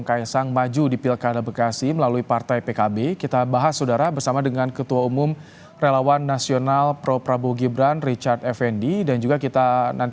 kaisang yang berubah ubah pecat mengundungi saya diangkat ambil formulir dia silahkan